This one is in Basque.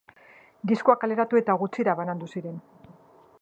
Diskoa kaleratu eta gutxira banandu ziren.